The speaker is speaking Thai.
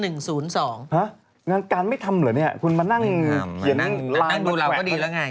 ห้ะงานการไม่ทำเหรอเนี่ยคุณมานั่งเขียนไลน์ดูแล้วก็ดีแล้วไง